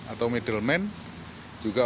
atau middleman juga